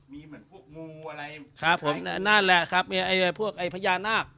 มีเหมือนพวกงูอะไรครับผมนั่นแหละครับมีไอ้พวกไอ้พญานาค